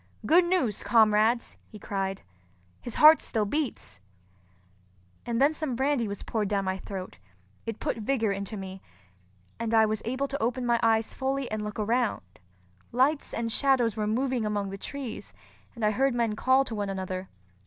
"Good news, comrades!" he cried. "His heart still beats!" Then some brandy was poured down my throat; it put vigor into me, and I was able to open my eyes fully and look around. Lights and shadows were moving among the trees, and I heard men call to one another.